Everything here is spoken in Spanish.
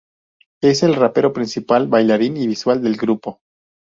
Es el rapero principal, bailarín y visual del grupo.